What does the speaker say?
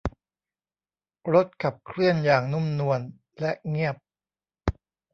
รถขับเคลื่อนอย่างนุ่มนวล และเงียบ